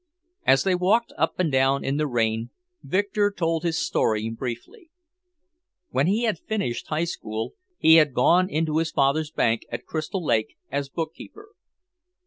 As they walked up and down in the rain, Victor told his story briefly. When he had finished High School, he had gone into his father's bank at Crystal Lake as bookkeeper.